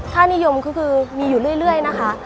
ค่านิยมก็คือมีอยู่เรื่อยนะคะ